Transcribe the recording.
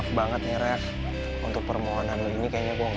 nanti lo berhasil sama kayaknya